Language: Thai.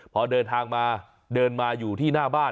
พอเดินทางมาเดินมาอยู่ที่หน้าบ้าน